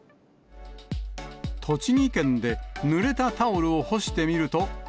栃木県でぬれたタオルを干してみると。